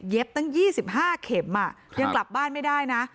เย็บตั้งยี่สิบห้าเข็มอ่ะยังกลับบ้านไม่ได้นะ